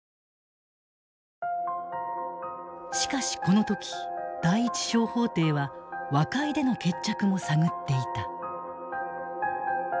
しかしこの時第一小法廷は和解での決着も探っていた。